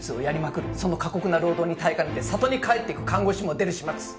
その過酷な労働に耐えかねて里に帰って行く看護師も出る始末。